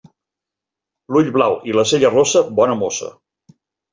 L'ull blau i la cella rossa, bona mossa.